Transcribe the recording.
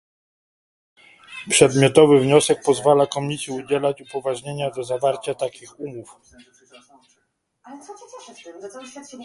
Przedmiotowy wniosek pozwala Komisji udzielać upoważnienia do zawarcia takich umów